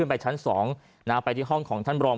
ปอล์กับโรเบิร์ตหน่อยไหมครับ